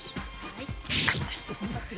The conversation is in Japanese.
はい。